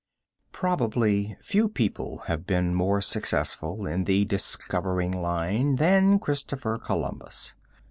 Probably few people have been more successful in the discovering line than Christopher Columbus.